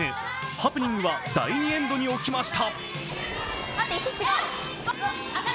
ハプニングは第２エンドに起きました。